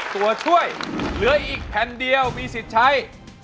ตัวช่วยเหลืออีกแผ่นเดียวมีสิทธิ์ใช้